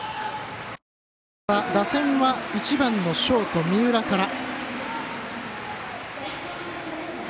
打線は１番のショート三浦から。